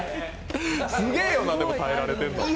すげえよな、耐えられてるの。